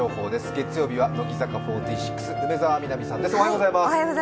月曜日は乃木坂４６、梅澤美波さんです。